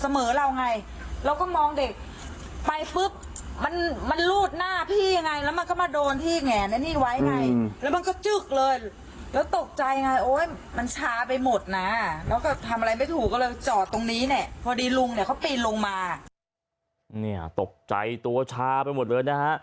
พอดีลุงเนี้ยเขาปีนลงมาเนี่ยตกใจตัวช้าไปหมดเลยนะฮะ